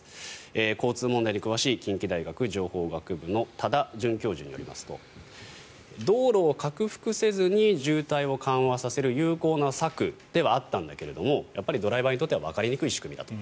交通問題に詳しい近畿大学情報学部の多田准教授によりますと道路を拡幅せずに渋滞を緩和させる有効な策ではあったんだけれどドライバーにとってはわかりにくい仕組みだと。